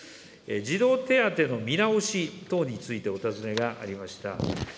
児童手当の見直し等についてお尋ねがありました。